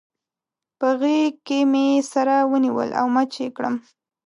په غېږ کې مې سره ونیول او مچ يې کړم.